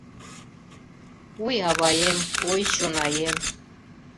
Ой, аваем, ой, чонаем